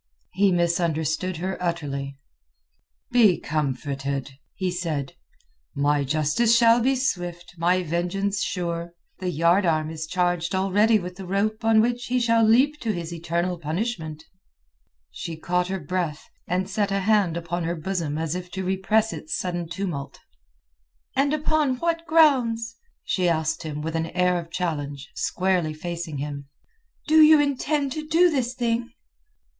He misunderstood her utterly. "Be comforted," he said. "My justice shall be swift; my vengeance sure. The yard arm is charged already with the rope on which he shall leap to his eternal punishment." She caught her breath, and set a hand upon her bosom as if to repress its sudden tumult. "And upon what grounds," she asked him with an air of challenge, squarely facing him, "do you intend to do this thing?"